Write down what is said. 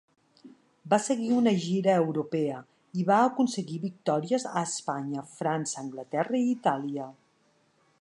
Va seguir una gira europea, i va aconseguir victòries a Espanya, França, Anglaterra i Itàlia.